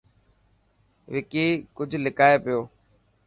وڪي ڪجهه لڪائي پيو.